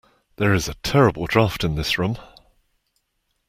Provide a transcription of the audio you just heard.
There is a terrible draught in this room